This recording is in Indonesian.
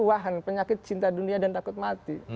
wahan penyakit cinta dunia dan takut mati